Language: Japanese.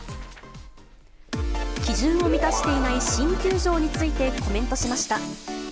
基準を満たしていない新球場についてコメントしました。